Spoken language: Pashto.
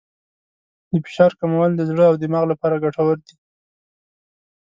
د فشار کمول د زړه او دماغ لپاره ګټور دي.